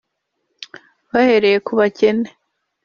bahereye ku bakene